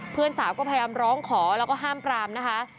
เพื่อนสาวก็พยายามร้องขอแล้วก็ห้ามปรามนะคะ